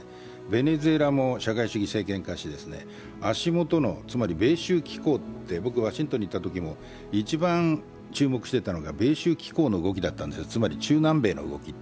ベネズエラも社会主義政権化して足元の、つまり米州機構、僕、ワシントンにいたときも一番注目していたのが米州機構の動きなんです。